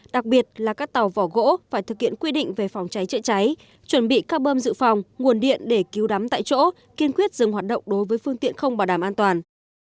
đặc biệt là các tàu vỏ gỗ phải thực hiện quy định về phòng cháy chữa cháy chuẩn bị các bơm dự phòng nguồn điện để cứu đắm tại chỗ kiên quyết dừng hoạt động đối với phương tiện không bảo đảm an toàn